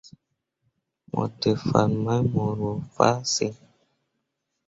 Mo ɗee fan mai mu roo fah siŋ.